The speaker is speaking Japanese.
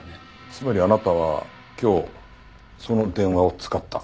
つまりあなたは今日その電話を使った。